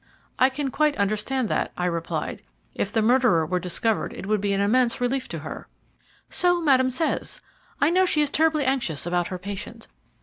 "I can quite understand that," I replied. "If the murderer were discovered it would be an immense relief to her." "So Madame says. I know she is terribly anxious about her patient.